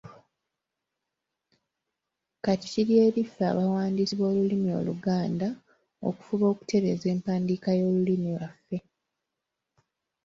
Kati kiri eri ffe abawandiisi b’olulimi Oluganda okufuba okutereeza empandiika y’olulimi lwaffe.